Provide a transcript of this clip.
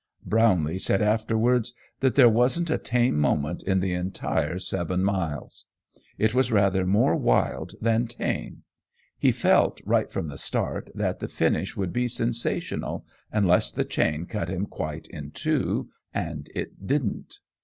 Brownlee said afterwards that there wasn't a tame moment in the entire seven miles. It was rather more wild than tame. He felt right from the start that the finish would be sensational, unless the chain cut him quite in two, and it didn't.